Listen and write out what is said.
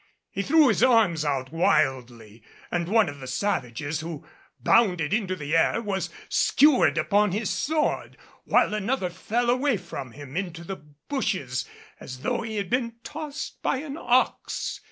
He threw his arms out wildly, and one of the savages who bounded into the air, was skewered upon his sword, while another fell away from him into the bushes as though he had been tossed by an ox.